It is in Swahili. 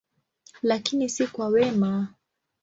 Lakini si kwa mema.